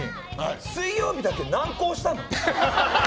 水曜日だけ難航したの？